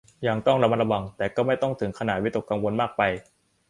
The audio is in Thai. ยังต้องระมัดระวัง แต่ก็ไม่ต้องถึงขนาดวิตกกังวลมากไป